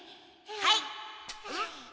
はい。